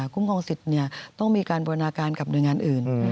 คุ้มครองสิทธิ์ต้องมีการบูรณาการกับหน่วยงานอื่น